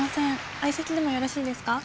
相席でもよろしいですか？